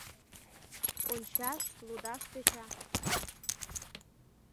Ончаш, лудаш тӧча.